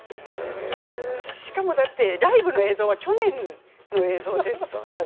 しかもさっきのライブの映像は去年の映像ですから。